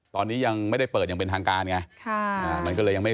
ตอนนี้ยังไม่ได้เปิดอย่างเป็นทางการไง